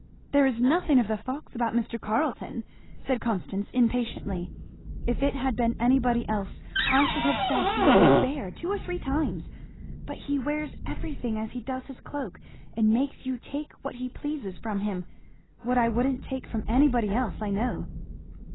"There is nothing of the fox about Mr. Carleton!" said Constance impatiently. "If it had been anybody else I should have said he was a bear two or three times; but he wears everything as he does his cloak, and makes you take what he pleases from him; what I wouldn't take from anybody else I know."